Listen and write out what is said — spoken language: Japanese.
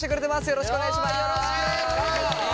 よろしくお願いします。